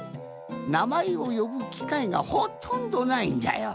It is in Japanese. なまえをよぶきかいがほとんどないんじゃよ。